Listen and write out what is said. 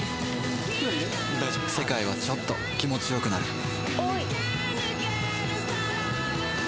世界はちょっと気持ちよくなる